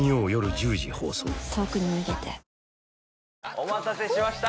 お待たせしました